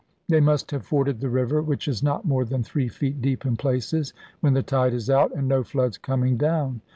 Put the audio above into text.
They must have forded the river, which is not more than three feet deep in places, when the tide is out, and no floods coming down.